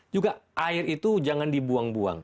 juga air itu jangan dibuang buang